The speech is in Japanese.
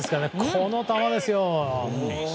この球ですよ。